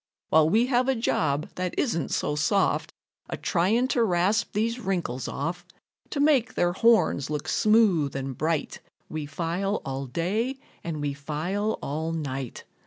While we have a job that isn't so soft, A trying to rasp these wrinkles off, To make their horns look smooth and bright, We file all day and we file all night.